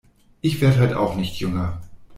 Ich werde halt auch nicht jünger.